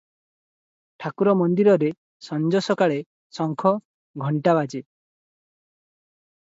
ଠାକୁର ମନ୍ଦିରରେ ସଞ୍ଜ ସକାଳେ ଶଙ୍ଖ, ଘଣ୍ଟାବାଜେ ।